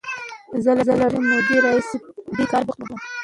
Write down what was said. زه له ډېرې مودې راهیسې په دې کار بوخت وم.